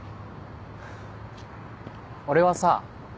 俺はさ